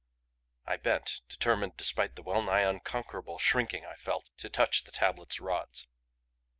I bent, determined, despite the well nigh unconquerable shrinking I felt, to touch the tablet's rods.